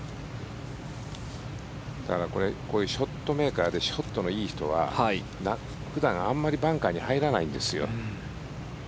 こういうショットメーカーでショットのいい人は普段バンカーに入らないんですよ。